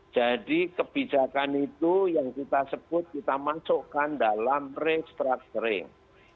jadi kebijakan itu yang kita sebut kita masukkan dalam restructuring